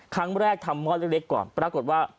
ครั้งแรกทำหม้อเล็กก่อนปรากฏว่า